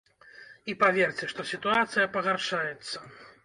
І паверце, што сітуацыя пагаршаецца.